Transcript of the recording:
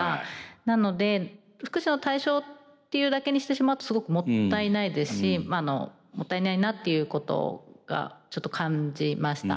なので福祉の対象っていうだけにしてしまうとすごくもったいないですしもったいないなっていうことがちょっと感じました。